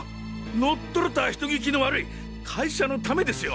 乗っ取るたぁ人聞きの悪い会社のためですよ。